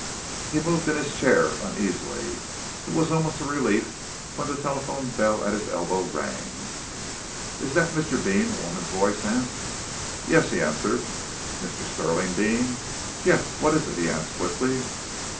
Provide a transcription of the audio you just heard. He moved in his chair uneasily. It was almost a relief when the telephone bell at his elbow rang. "Is that Mr. Deane?" a woman's voice asked. "Yes!" he answered. "Mr. Stirling Deane?" "Yes, what is it?" he asked quickly.